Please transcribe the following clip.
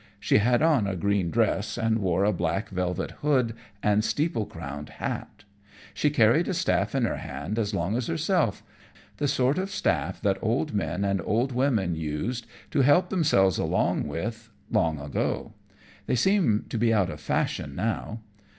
She had on a green dress, and wore a black velvet hood and steeple crowned hat. She carried a staff in her hand as long as herself the sort of staff that old men and old women used to help themselves along with long ago. They seem to be out of fashion now.